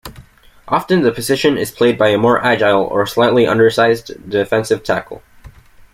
Often, the position is played by a more agile or slightly undersized defensive tackle.